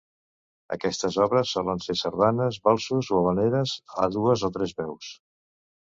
Aquestes obres solen ser sardanes, valsos o havaneres a dues o tres veus.